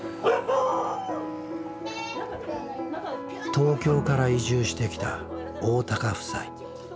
東京から移住してきた大高夫妻。